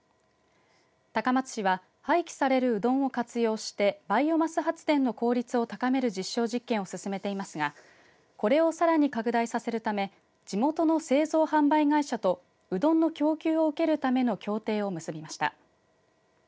高松市は廃棄されるうどんを活用してバイオマス発電の効率を高める実証実験を進めていますがこれをさらに拡大させるため地元の製造販売会社とうどんの供給を受けるための協定を結びました。